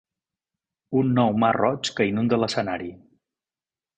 Un nou mar Roig que inunda l'escenari.